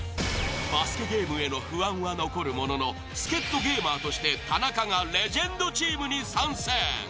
バスケゲームへの不安は残るものの助っ人ゲーマーとして田中がレジェンドチームに参戦。